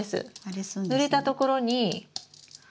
ぬれたところにはい。